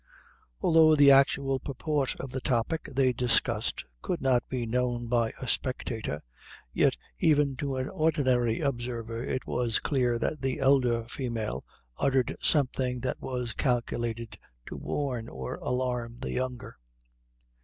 Although the actual purport of the topic they discussed could not be known by a spectator, yet even to an ordinary observer, it was clear that the elder female uttered something that was calculated to warn or alarm the younger.